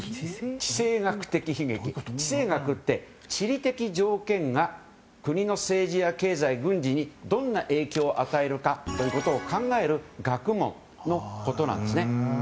地政学って地理的条件が国の政治や経済・軍事にどんな影響を与えるかということを考える学問のことなんですね。